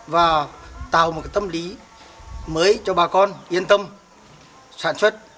và tạo một tâm lý mới cho bà con yên tâm sản xuất